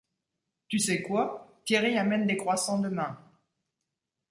Tu sais quoi ? Thierry amène des croissants demain !